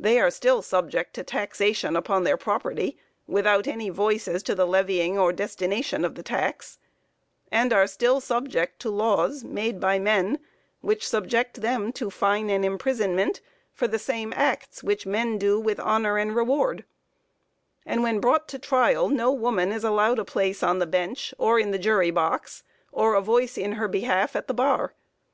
They are still subject to taxation upon their property, without any voice as to the levying or destination of the tax; and are still subject to laws made by men, which subject them to fine and imprisonment for the same acts which men do with honor and reward and when brought to trial no woman is allowed a place on the bench or in the jury box, or a voice in her behalf at the bar.